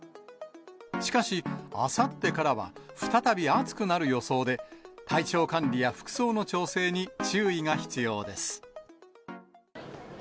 しかし、あさってからは再び暑くなる予想で、体調管理や服装の調整に注意が必要です。